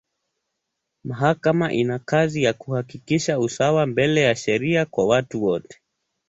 Mahakama ina kazi ya kuhakikisha usawa mbele ya sheria kwa watu wote.